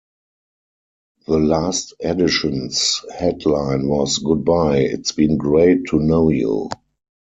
The last edition's headline was 'Goodbye, it's been great to know you.